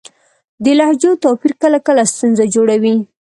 د لهجو توپیر کله کله ستونزه جوړوي.